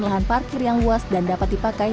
lahan parkir yang luas dan dapat dipakai